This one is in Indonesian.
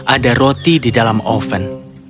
ada roti di dalam oven